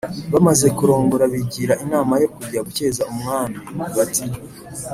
bamaze kurongora bigira inama yo kujya gukeza umwami; bati